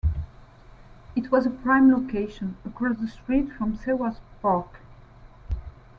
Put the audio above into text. It was a prime location, across the street from Seward Park.